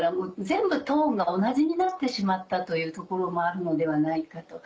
全部トーンが同じになってしまったというところもあるのではないかと。